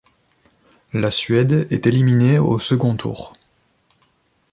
La Suède est éliminée au second tour.